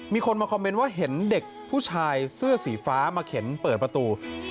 มีคนมาคอมเมนต์ว่าเห็นเด็กผู้ชายเสื้อสีฟ้ามาเข็นเปิดประตู